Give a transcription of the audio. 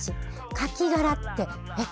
カキ殻って、えっ？